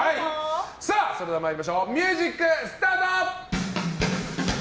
それでは参りましょうミュージックスタート！